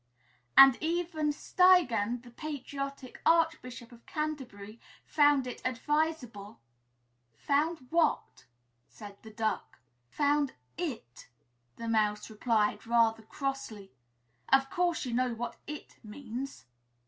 " 'And even Stigand, the patriotic archbishop of Canterbury, found it advisable' " "Found what?" said the Duck. "Found it," the Mouse replied rather crossly; "of course, you know what 'it' means."